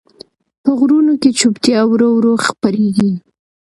په غرونو کې چوپتیا ورو ورو خپرېږي.